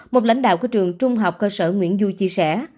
một lãnh đạo của trường trung học cơ sở nguyễn du chia sẻ